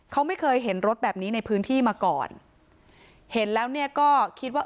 เขาไม่เคยเห็นรถแบบนี้ในพื้นที่มาก่อนเห็นแล้วเนี่ยก็คิดว่า